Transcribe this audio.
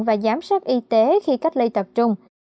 và giám sát y tế khi cách ly tập trung